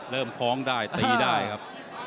เริ่มคล้องได้ตีได้ครับ